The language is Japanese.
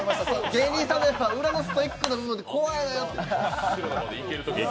芸人さんの裏のストイックな部分って怖いなって。